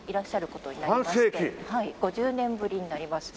はい５０年ぶりになります。